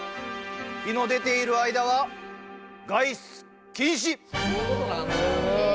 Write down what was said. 日の出ている間は外出禁止！